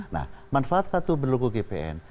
nah manfaat kartu berlogo gpn